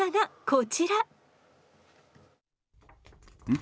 ん？